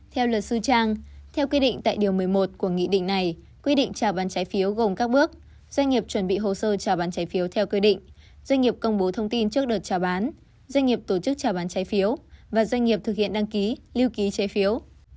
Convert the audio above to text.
theo luật sư trang theo quy định tại điều một mươi một của nghị định này quy định trào bán trái phiếu gồm các bước doanh nghiệp chuẩn bị hồ sơ trả bán trái phiếu theo quy định doanh nghiệp công bố thông tin trước đợt trả bán doanh nghiệp tổ chức trả bán trái phiếu và doanh nghiệp thực hiện đăng ký lưu ký trái phiếu